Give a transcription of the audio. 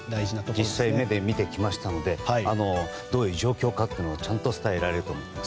実際に目で見てきましたのでどういう状況かをちゃんと伝えられると思います。